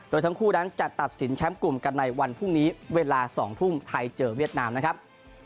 โดยทั้งคู่นั้นจะตัดสินแชมป์กลุ่มกันในวันพรุ่งนี้เวลา๒ทุ่มไทยเจอเวียดนามนะครับ